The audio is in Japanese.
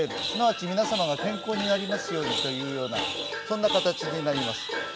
すなわち、皆様が健康になりますように、というそんな形になります。